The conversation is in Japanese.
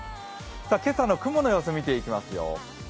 今朝の雲の様子、見ていきますよ。